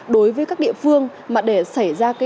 đối với các địa phương mà để xảy ra